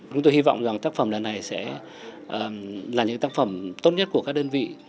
chúng tôi hy vọng rằng tác phẩm lần này sẽ là những tác phẩm tốt nhất của các đơn vị